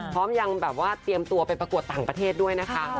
พร้อมยังแบบว่าเตรียมตัวไปประกวดต่างประเทศด้วยนะคะ